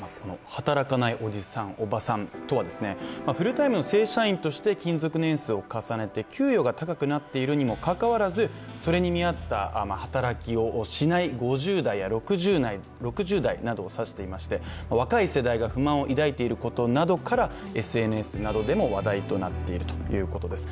働かないおじさん、おばさんとはフルタイムの正社員として勤続年数を重ねて給与が高くなっているにもかかわらずそれに見合った働きをしない５０代や６０代などを指していまして、若い世代が不満を抱いていることなどからＳＮＳなどでも話題になっているということです。